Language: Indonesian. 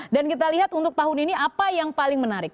dan kita lihat untuk tahun ini apa yang paling menarik